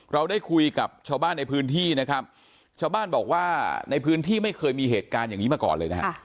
เราได้คุยกับชาวบ้านในพื้นที่นะครับชาวบ้านบอกว่าในพื้นที่ไม่เคยมีเหตุการณ์อย่างนี้มาก่อนเลยนะฮะ